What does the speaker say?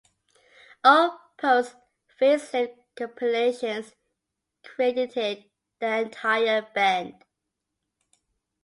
All post-"Facelift" compilations credited the entire band.